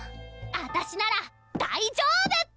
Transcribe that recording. あたしなら大丈夫！